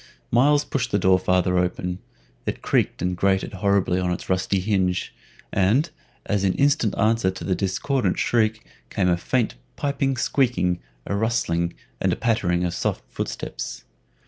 Myles pushed the door farther open; it creaked and grated horribly on its rusty hinge, and, as in instant answer to the discordant shriek, came a faint piping squeaking, a rustling and a pattering of soft footsteps.